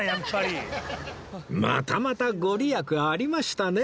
またまたご利益ありましたね